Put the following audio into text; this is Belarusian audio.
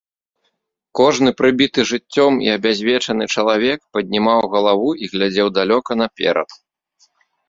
Кожны прыбіты жыццём і абязвечаны чалавек паднімаў галаву і глядзеў далёка наперад.